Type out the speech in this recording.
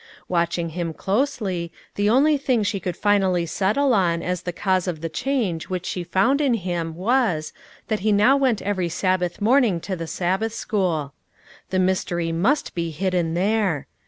Watching him closely, the only thing she could finally settle on as the cause of the change which she found in him was, that he now went every Sabbath morning to the Sabbath school. The mystery must be hidden there.